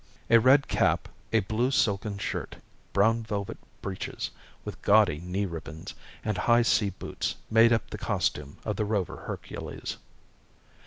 A red cap, a blue silken shirt, brown velvet breeches with gaudy knee ribbons, and high sea boots made up the costume of the rover Hercules.